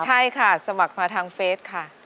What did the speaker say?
ใช่ค่ะสมัครมาทางเฟสค่ะ